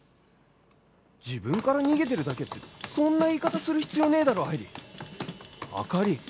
自分から逃げてるだけってそんな言い方する必要ねえだろ愛理